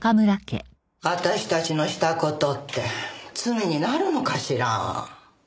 私たちのした事って罪になるのかしら？